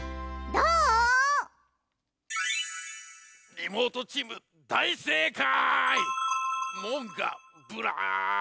リモートチーム大せいかい！